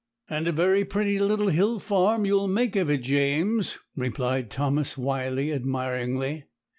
'And a very pretty little hill farm you'll make of it, James,' replied Thomas Wyley admiringly.